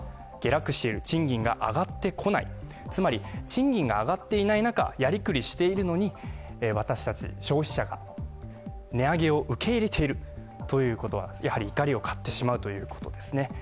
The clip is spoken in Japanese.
賃金が上がっていない中やり繰りしているのに私たち消費者が値上げを受け入れているということは、やはり怒りを買ってしまうということですね。